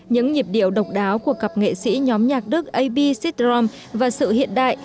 những nhịp điệu độc đáo của cặp nghệ sĩ nhóm nhạc đức a b sindom và sự hiện đại